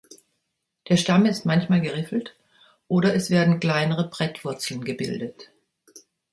Der Stamm ist manchmal geriffelt oder es werden kleinere Brettwurzeln gebildet.